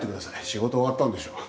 仕事終わったんでしょう？